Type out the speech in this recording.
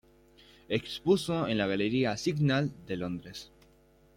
Expuso en la Galería Signals de Londres.